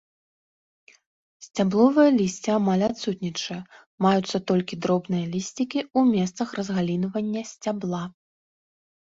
Сцябловае лісце амаль адсутнічае, маюцца толькі дробныя лісцікі ў месцах разгалінавання сцябла.